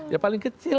ya paling kecil